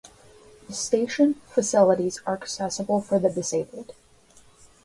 The station facilities are accessible for the disabled.